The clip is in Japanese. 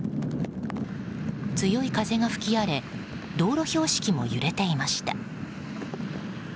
強い風が吹き荒れ道路標識も揺れていました。